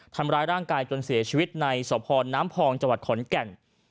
ทำร้ายร่างกายจนเสียชีวิตในสพน้ำพองจังหวัดขอนแก่น